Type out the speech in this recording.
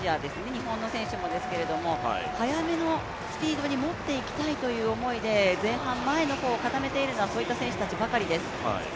日本の選手もですけど、速めのスピードにもっていきたいという思いで前半前の方を固めているのはそういった選手たちばかりです。